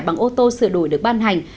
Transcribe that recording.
bằng ô tô sửa đổi được ban hành